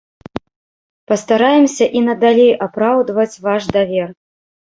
Пастараемся і надалей апраўдваць ваш давер.